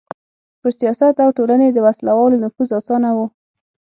پر سیاست او ټولنې د وسله والو نفوذ اسانه و.